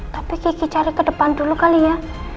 tapi kiki cari ke depan dulu kali ya